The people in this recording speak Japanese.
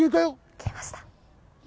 消えました。